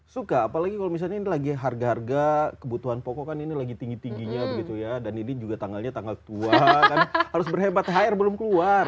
suka apalagi kalau misalnya ini lagi harga harga kebutuhan pokok kan ini lagi tinggi tingginya begitu ya dan ini juga tanggalnya tanggal tua kan harus berhebat thr belum keluar